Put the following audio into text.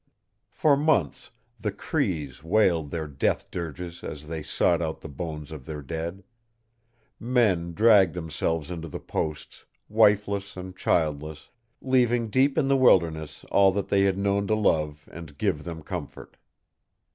For months the Crees wailed their death dirges as they sought out the bones of their dead. Men dragged themselves into the posts, wifeless and childless, leaving deep in the wilderness all that they had known to love and give them comfort.